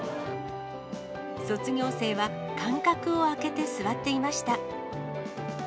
卒業生は、間隔を空けて座っていました。